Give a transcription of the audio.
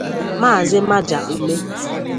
Maazị Maja Umeh